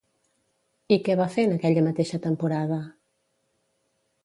I què va fer en aquella mateixa temporada?